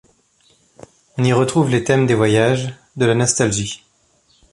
On y retrouve les thèmes des voyages, de la nostalgie.